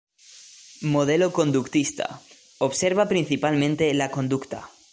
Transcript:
Modelo conductista: Observa principalmente la conducta.